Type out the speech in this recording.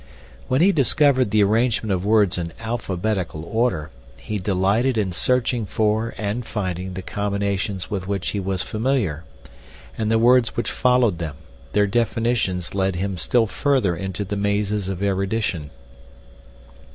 When he discovered the arrangement of words in alphabetical order he delighted in searching for and finding the combinations with which he was familiar, and the words which followed them, their definitions, led him still further into the mazes of erudition.